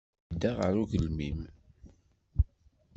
Yedda ɣer ugelmim.